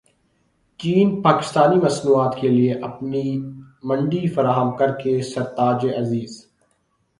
چین پاکستانی مصنوعات کیلئے اپنی منڈی فراہم کرے سرتاج عزیز